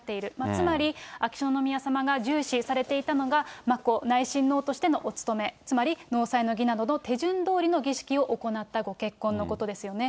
つまり、秋篠宮さまが重視されていたのが、眞子内親王としてのお務め、つまり納采の儀などの手順どおりの儀式を行ったご結婚のことですよね。